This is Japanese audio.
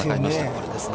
これですね。